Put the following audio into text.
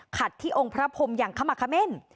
ที่องค์พระพรมอย่างขมะเขม่น